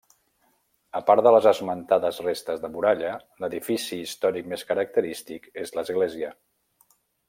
A part de les esmentades restes de muralla, l'edifici històric més característic és l'església.